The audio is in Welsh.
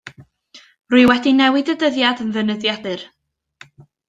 Rwy wedi newid y dyddiad yn fy nyddiadur.